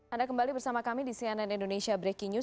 anda kembali bersama kami di cnn indonesia breaking news